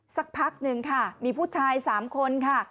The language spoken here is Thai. สักพักหนึ่งค่ะมีผู้ชาย๓คนค่ะ